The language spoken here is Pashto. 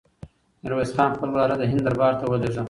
میرویس خان خپل وراره د هند دربار ته ولېږه.